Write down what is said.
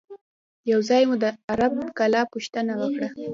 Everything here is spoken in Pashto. یو ځای مو د عرب کلا پوښتنه وکړه.